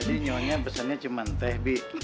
jadi nyonya pesannya cuma teh bi